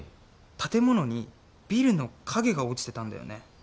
建物にビルの影が落ちてたんだよね。